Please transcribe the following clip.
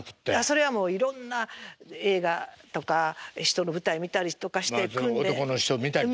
それはもういろんな映画とか人の舞台見たりとかして訓練男の人見たりとか。